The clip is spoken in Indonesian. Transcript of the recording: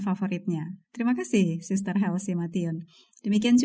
marilah siapa yang mau